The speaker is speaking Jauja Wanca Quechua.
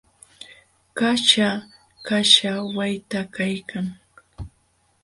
Kaśha kaśham waqta kaykan.